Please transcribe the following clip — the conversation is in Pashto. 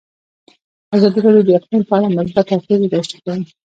ازادي راډیو د اقلیم په اړه مثبت اغېزې تشریح کړي.